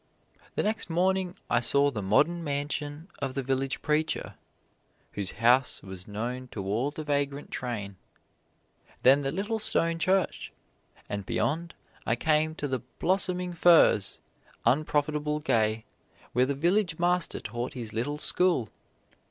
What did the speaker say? The next morning I saw the modest mansion of the village preacher "whose house was known to all the vagrant train," then the little stone church, and beyond I came to the blossoming furze, unprofitably gay, where the village master taught his little school.